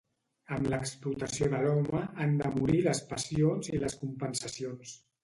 Amb l'explotació de l'home han de morir les passions i les compensacions.